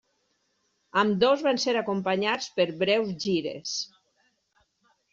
Ambdós van ser acompanyats per breus gires.